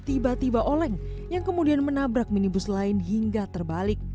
tiba tiba oleng yang kemudian menabrak minibus lain hingga terbalik